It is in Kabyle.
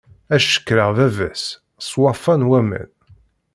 Ad cekkreɣ baba-s, ṣfawa n waman.